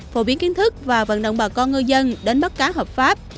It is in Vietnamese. phổ biến kiến thức và vận động bà con ngư dân đánh bắt cá hợp pháp